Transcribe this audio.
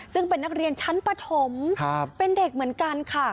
ซึ่งเป็นนักเรียนชั้นปฐมเป็นเด็กเหมือนกันค่ะ